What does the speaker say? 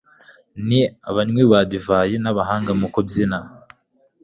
Ni abanywi ba divayi nabahanga mu kubyina